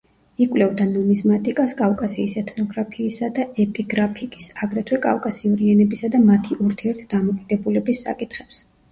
იკვლევდა ნუმიზმატიკას კავკასიის ეთნოგრაფიისა და ეპიგრაფიკის, აგრეთვე კავკასიური ენებისა და მათი ურთიერთდამოკიდებულების საკითხებს.